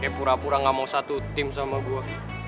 pura pura gak mau satu tim sama gua